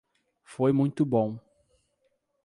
Foi muito bom.